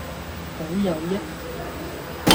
好有益